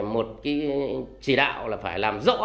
một cái chỉ đạo là phải làm rõ